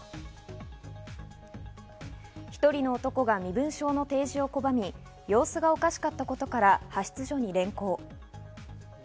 １人の男が身分証の提示を拒み、様子がおかしかったことから派出所に連行。